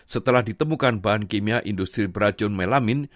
setelah ditemukan bahan kimia industri beracun melamin